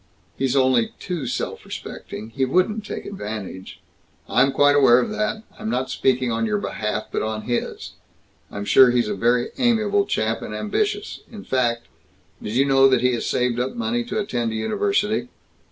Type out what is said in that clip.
"He's only too self respecting. He wouldn't take advantage " "I'm quite aware of that. I'm not speaking on your behalf, but on his. I'm sure he's a very amiable chap, and ambitious. In fact Did you know that he has saved up money to attend a university?"